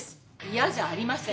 嫌じゃありません。